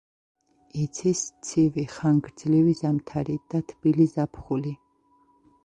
იცის ცივი, ხანგრძლივი ზამთარი და თბილი ზაფხული.